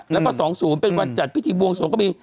แล้วก็สองศูนย์หือมือเป็นวันจัดพิธีบวงสวงก็มี